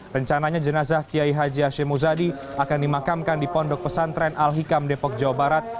rencananya jenazah kiai haji hashim muzadi akan dimakamkan di pondok pesantren al hikam depok jawa barat